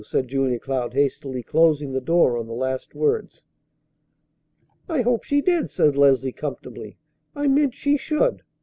said Julia Cloud, hastily closing the door on the last words. "I hope she did," said Leslie comfortably. "I meant she should."